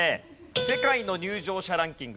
世界の入場者ランキング